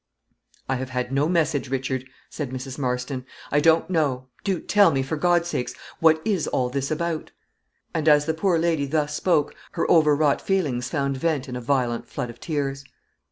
"I have had no message, Richard," said Mrs. Marston; "I don't know do tell me, for God's sake, what is all this about?" And as the poor lady thus spoke, her overwrought feelings found vent in a violent flood of tears.